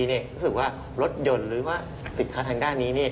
รู้สึกว่ารถยนต์หรือว่าสินค้าทางด้านนี้